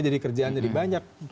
jadi kerjaan jadi banyak